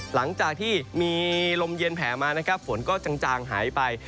หลังจากที่มีลมเย็นแผลมานะครับฝนก็จางหายไป